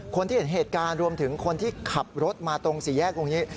คนที่เห็นเหตุการณ์รวมถึงคนที่ขับรถมาตรงสี่แยกตรงนี้